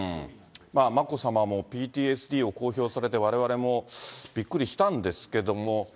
眞子さまもＰＴＳＤを公表されてわれわれもびっくりしたんですけれども。